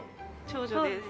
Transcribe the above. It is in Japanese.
長女です。